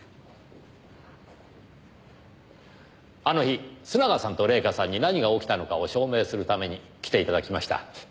あの日須永さんと礼夏さんに何が起きたのかを証明するために来て頂きました。